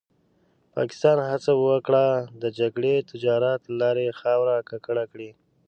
پاکستان هڅه وکړه د جګړې تجارت له لارې خاوره ککړه کړي.